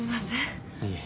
いえ。